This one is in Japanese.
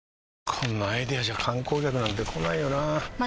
こんなアイデアじゃ観光客なんて来ないよなあ